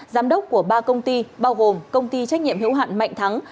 giám đốc của ba công ty bao gồm công ty trách nhiệm hữu hạn mạnh thắng